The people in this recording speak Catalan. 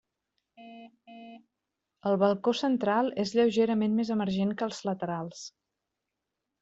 El balcó central és lleugerament més emergent que els laterals.